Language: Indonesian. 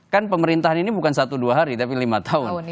kan pemerintahan ini bukan satu dua hari tapi lima tahun